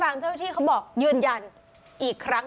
ต้องใช้ใจฟัง